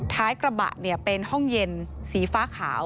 ท้ายกระบะเป็นห้องเย็นสีฟ้าขาว